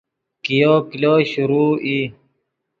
کئیو کلو شروع ای